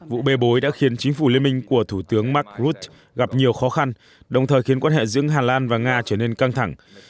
vụ bê bối đã khiến chính phủ liên minh của thủ tướng mark grut gặp nhiều khó khăn đồng thời khiến quan hệ giữa hà lan và nga trở nên căng thẳng